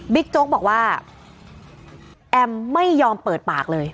โจ๊กบอกว่าแอมไม่ยอมเปิดปากเลย